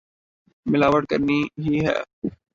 ملاوٹ کرنی ہی ہے۔